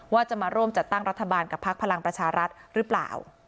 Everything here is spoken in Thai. ว่าจะมาร่วมจัดตั้งรัฐบาลกับพักพลังประชารัฐหรือเปล่า